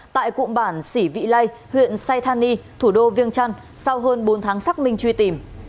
tại cụm bản sỉ vị lây huyện saitani thủ đô viêng trăn sau hơn bốn tháng sắc minh truy tìm